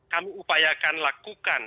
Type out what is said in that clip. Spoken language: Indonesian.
kami upayakan lakukan